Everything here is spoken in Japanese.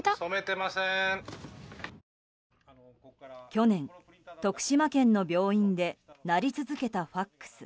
去年、徳島県の病院で鳴り続けたＦＡＸ。